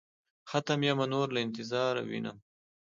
ختم يمه نور له انتظاره وينم.